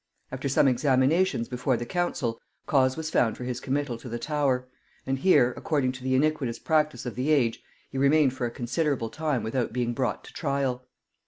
After some examinations before the council, cause was found for his committal to the Tower; and here, according to the iniquitous practice of the age, he remained for a considerable time without being brought to trial.